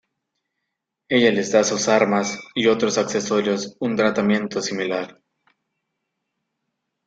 Ella les da a sus armas y otros accesorios un tratamiento similar.